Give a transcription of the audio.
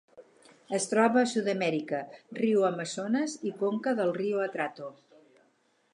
Es troba a Sud-amèrica: riu Amazones i conca del riu Atrato.